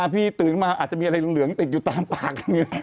ตื่นมาอาจจะมีอะไรเหลืองติดอยู่ตามปาก